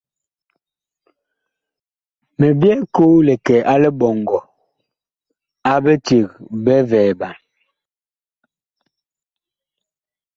Mi byɛɛ koo li kɛ a liɓɔŋgɔ a biceg bi vɛɛɓan.